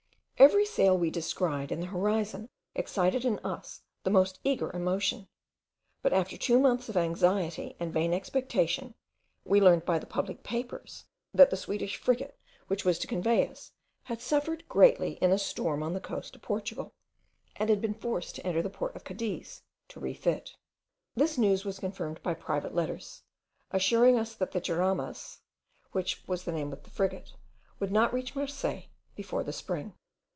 Every sail we descried in the horizon excited in us the most eager emotion; but after two months of anxiety and vain expectation, we learned by the public papers, that the Swedish frigate which was to convey us, had suffered greatly in a storm on the coast of Portugal, and had been forced to enter the port of Cadiz, to refit. This news was confirmed by private letters, assuring us that the Jaramas, which was the name of the frigate, would not reach Marseilles before the spring.